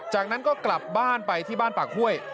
จากนั้นก็กลับบ้านไปที่บ้านปากห้วย